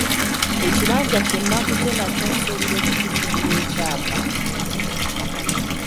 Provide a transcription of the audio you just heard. Ekibanja kye nnaguze nakyo nsuubira okukifunira ekyapa.